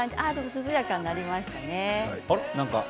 涼やかになりましたね。